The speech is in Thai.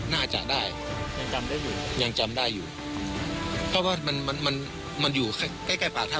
น่าจะได้ยังจำได้อยู่เพราะว่ามันอยู่ใกล้ปากถ้ำคือนี้เองครับ